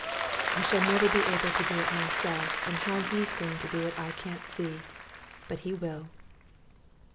I shall never be able to do it myself, and how He's going to do it I can't see, but He will.